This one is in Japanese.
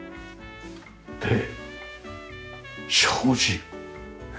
で障子。